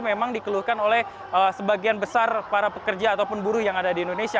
memang dikeluhkan oleh sebagian besar para pekerja ataupun buruh yang ada di indonesia